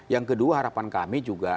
yang kedua harapan kami juga